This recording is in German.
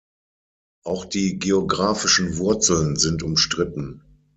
Auch die geografischen Wurzeln sind umstritten.